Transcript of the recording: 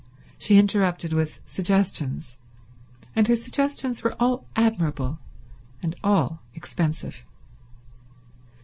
She interrupted with suggestions, and her suggestions were all admirable and all expensive.